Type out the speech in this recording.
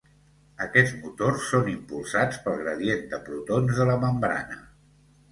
Aquests motors són impulsats pel gradient de protons de la membrana.